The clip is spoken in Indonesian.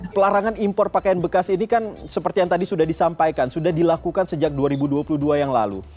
pelarangan impor pakaian bekas ini kan seperti yang tadi sudah disampaikan sudah dilakukan sejak dua ribu dua puluh dua yang lalu